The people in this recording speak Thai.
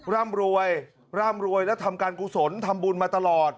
ร่ำรวยร่ำรวยและทำการกุศลทำบุญมาตลอด